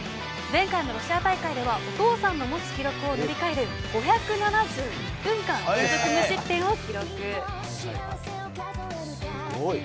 前回のロシア大会ではお父さんの持つ記録を塗り替える５７１分間連続無失点を記録。